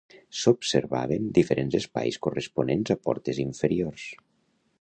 S'observaven diferents espais corresponents a portes inferiors.